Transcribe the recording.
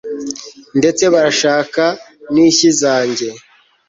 ndetse barashaka n'inshyi zanjye